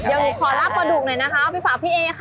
ยังขอรับประดุกหน่อยนะคะฝากพี่เอค่ะ